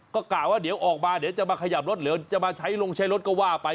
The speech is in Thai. ก็กล่าวว่าเดี๋ยวออกมาเดี๋ยวจะมาขยับรถหรือจะมาใช้ลงใช้รถก็ว่าไป